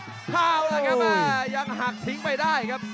โอ้โหแล้วครับยังหักทิ้งไม่ได้ครับ